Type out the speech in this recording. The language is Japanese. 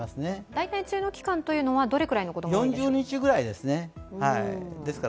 大体梅雨の期間というのはどのくらいのことを言うんですか？